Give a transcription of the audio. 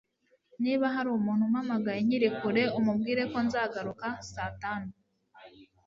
Niba hari umuntu umpamagaye nkiri kure umubwire ko nzagaruka saa tanu